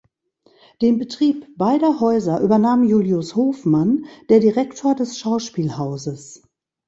Den Betrieb beider Häuser übernahm Julius Hofmann, der Direktor des Schauspielhauses.